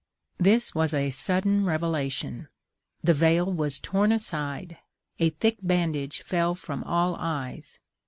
This was a sudden revelation: the veil was torn aside, a thick bandage fell from all eyes.